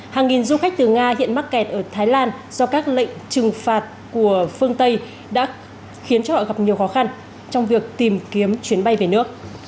hàng nghìn du khách từ nga hiện mắc kẹt ở thái lan do các lệnh trừng phạt của phương tây đã khiến cho họ gặp nhiều khó khăn trong việc tìm kiếm chuyến bay về nước